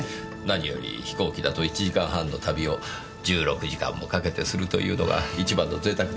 何より飛行機だと１時間半の旅を１６時間もかけてするというのが一番の贅沢でしょうか。